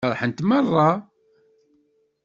Feṛḥent meṛṛa.